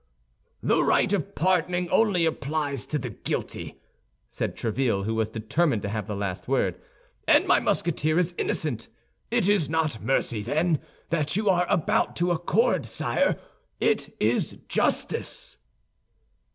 "The right of pardoning only applies to the guilty," said Tréville, who was determined to have the last word, "and my Musketeer is innocent. It is not mercy, then, that you are about to accord, sire, it is justice."